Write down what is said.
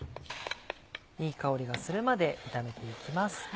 いい香りがするまで炒めていきます。